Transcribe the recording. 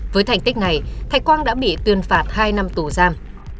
với thành tích này thạch quang đã bị tuyên phạt hai năm tù giam